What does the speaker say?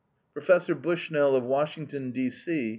Professor Bushnell of Washington, D.C.